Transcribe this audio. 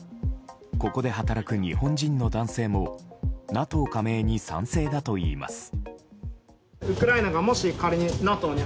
ここで働く日本人の男性もＮＡＴＯ加盟に賛成だといいます。